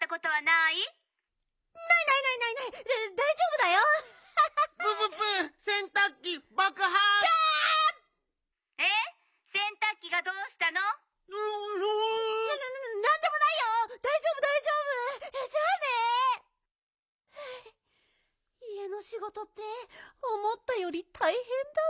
いえのしごとっておもったよりたいへんだな。